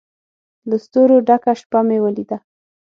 له ستورو ډکه شپه مې ولیده